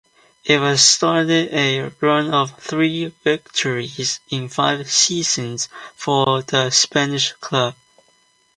It started a run of three victories in five seasons for the Spanish club.